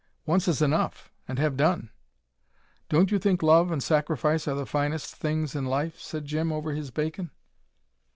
"Once is enough and have done." "Don't you think love and sacrifice are the finest things in life?" said Jim, over his bacon.